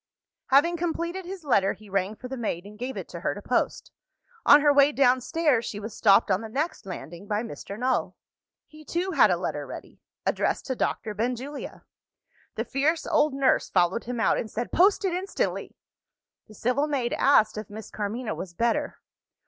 F." Having completed his letter, he rang for the maid, and gave it to her to post. On her way downstairs, she was stopped on the next landing by Mr. Null. He too had a letter ready: addressed to Doctor Benjulia. The fierce old nurse followed him out, and said, "Post it instantly!" The civil maid asked if Miss Carmina was better.